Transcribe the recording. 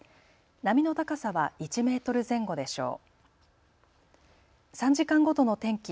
波の高さは１メートル前後でしょう。